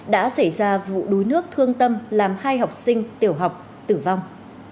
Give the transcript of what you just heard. đã xảy ra vụ đuối nước thương tâm làm hai học sinh tiểu học tử vong